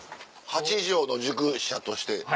八畳の塾舎として。